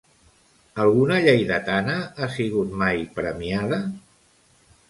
Alguna lleidatana ha sigut mai premiada?